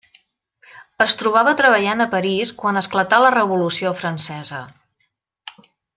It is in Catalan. Es trobava treballant a París quan esclatà la Revolució Francesa.